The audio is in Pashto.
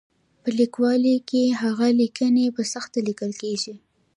په لیکوالۍ کې هغه لیکنې په سخته لیکل کېږي.